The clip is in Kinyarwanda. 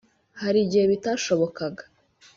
hari igihe bitashobokaga”